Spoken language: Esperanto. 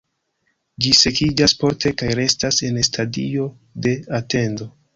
Ĝi sekiĝas porte kaj restas en stadio de atendo.